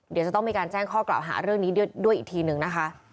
เดี๋ยวจะต้องมีการแจ้งข้อกล่าวหาเรื่องนี้ด้วยอีกทีนึงนะคะ